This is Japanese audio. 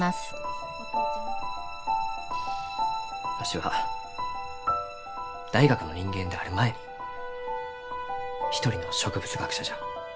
わしは大学の人間である前に一人の植物学者じゃ。